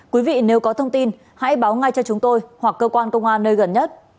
quý vị nếu có thông tin hãy báo ngay cho chúng tôi hoặc cơ quan công an nơi gần nhất